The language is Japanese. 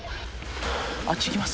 あっち行きます？